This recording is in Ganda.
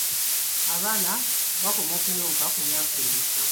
Abaana bakoma okuyonka ku myaka emeka?